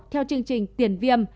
theo chương trình tiền viêm